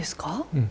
うん。